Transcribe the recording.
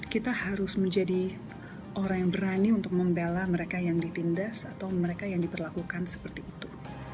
kita harus menjadi orang yang berani untuk membela mereka yang ditindas atau mereka yang diperlakukan seperti itu